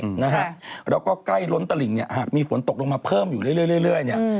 แล้วก็ใกล้ล้นตลิ่งหากมีฝนตกลงมาเพิ่มอยู่เรื่อย